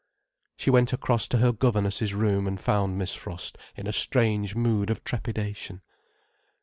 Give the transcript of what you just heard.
She went across to her governess's room, and found Miss Frost in a strange mood of trepidation.